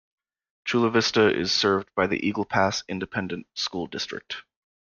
Chula Vista is served by the Eagle Pass Independent School District.